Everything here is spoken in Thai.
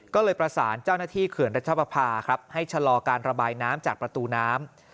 ก็เลยประสานเจ้าหน้าที่เขื่อนรัชประพาครับให้ชะลอการระบายน้ำจากประตูน้ำ